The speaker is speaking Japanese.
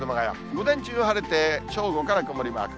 午前中は晴れて、正午から曇りマーク。